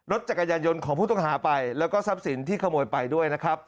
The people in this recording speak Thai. รถจักรยานยนต์ของผู้ต้องหาไปแล้วก็ทรัพย์สินที่ขโมยไปด้วยนะครับ